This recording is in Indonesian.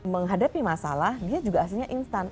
menghadapi masalah dia juga aslinya instan